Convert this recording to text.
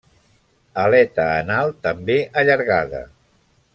Aleta anal també allargada.